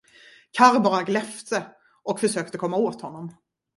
Karr bara gläfste och försökte komma åt honom.